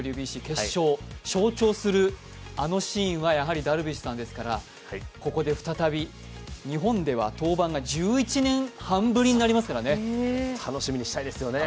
２００９年のＷＢＣ決勝を象徴するあのシーンはやはりダルビッシュさんですから、ここで再び、日本では登板が１１年半ぶりとなりますからね。